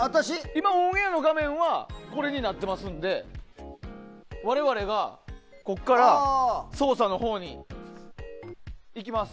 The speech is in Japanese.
今、オンエアの画面はこれになってますので我々がここから操作のほうにいきます。